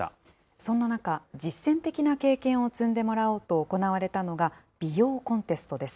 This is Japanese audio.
そんな中、実践的な経験を積んでもらおうと行われたのが、美容コンテストです。